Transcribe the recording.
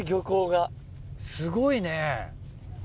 すごいね！